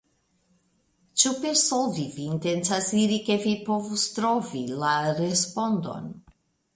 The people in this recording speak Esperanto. Ĉu per solvi vi intencas diri ke vi povos trovi la respondon?